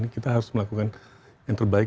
kita harus melakukan yang terbaik